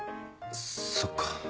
そっか。